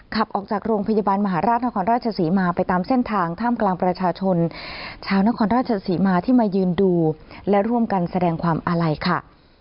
ขับออกจากโรงพยาบาลมหาราชนครราชศรีมาไปตามเส้นทางท่ามกลางประชาชนชาวนครราชศรีมาที่มายืนดูและร่วมกันแสดงความอาลัยค่ะ